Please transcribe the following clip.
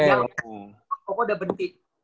yang koko udah berhenti